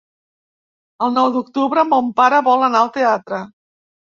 El nou d'octubre mon pare vol anar al teatre.